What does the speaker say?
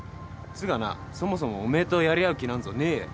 つうかなそもそもおめえとやり合う気なんぞねえよ。